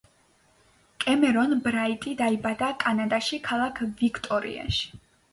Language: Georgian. კემერონ ბრაიტი დაიბადა კანადაში, ქალაქ ვიქტორიაში.